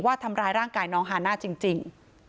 ว่าทำรายร่างกายน้องฮาน่าจริงจริง